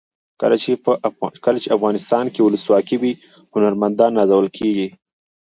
کله چې افغانستان کې ولسواکي وي هنرمندان نازول کیږي.